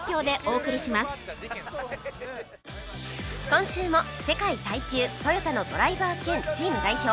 今週も世界耐久トヨタのドライバー兼チーム代表